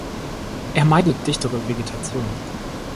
Er meidet dichtere Vegetation.